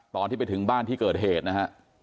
ตอนที่ไปถึงบ้านที่เกิดเหตุนะฮะ